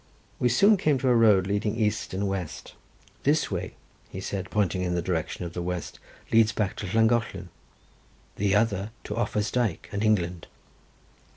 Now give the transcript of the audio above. We soon came to a road leading east and west. "This way," said he, pointing in the direction of the west, "leads back to Llangollen, the other to Offa's Dyke and England."